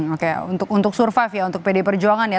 oke untuk survive ya untuk pdip ya